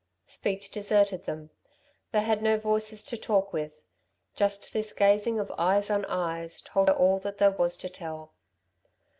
Speech deserted them; they had no voices to talk with. Just this gazing of eyes on eyes told all that there was to tell.